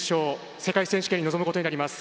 世界選手権に臨むことになります。